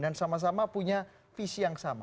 dan sama sama punya visi yang sama